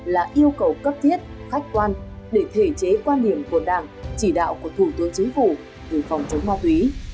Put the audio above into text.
là yêu cầu cấp thiết khách quan để thể chế quan điểm của đảng chỉ đạo của thủ tướng chính phủ về phòng chống ma túy